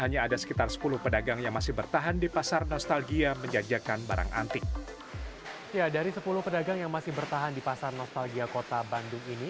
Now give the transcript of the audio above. ya dari sepuluh pedagang yang masih bertahan di pasar nostalgia kota bandung ini